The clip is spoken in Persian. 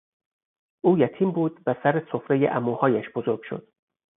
او یتیم بود و سر سفرهی عموهایش بزرگ شد.